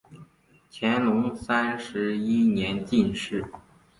乾隆三十一年进士。